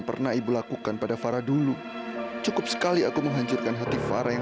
sampai jumpa di video selanjutnya